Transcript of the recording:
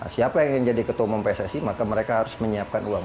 siapa yang ingin jadi ketua umum pssi maka mereka harus menyiapkan uang